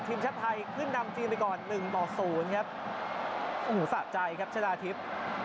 ทีมชาติไทยขึ้นนำจีนไปก่อนหนึ่งต่อศูนย์ครับโอ้โหสะใจครับชนะทิพย์